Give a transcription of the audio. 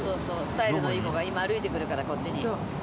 スタイルのいい子が今歩いてくるからこっちに。